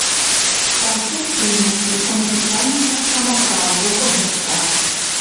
Канцэрт сумесны, таму пытанні таксама пра абодва гурта.